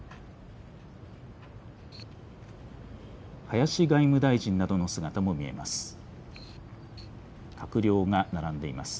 林外務大臣などの姿も見えます。